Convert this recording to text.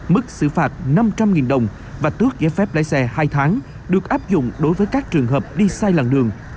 mức xử phạt năm trăm linh đồng và tước giấy phép lái xe hai tháng được áp dụng đối với các trường hợp đi sai làng đường